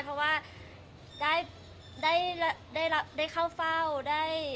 เพราะว่าได้เข้าเฝ้าได้